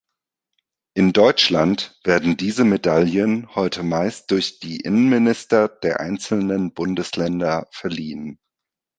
In Deutschland werden diese Medaillen heute meist durch die Innenminister der einzelnen Bundesländer verliehen.